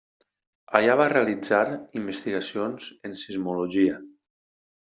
Allà va realitzar investigacions en sismologia.